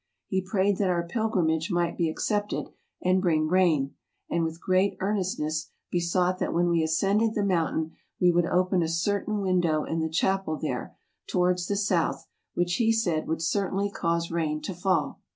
He prayed that our pilgrimage might be accepted, and bring rain, and with great earnestness besought that when we ascended the mountain we would open a certain window in the chapel there, towards the south, which, he said, would certainly cause rain to fall.